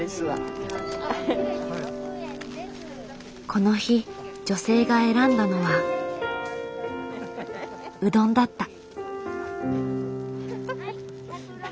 この日女性が選んだのはうどんだった。